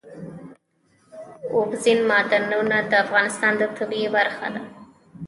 اوبزین معدنونه د افغانستان د طبیعت برخه ده.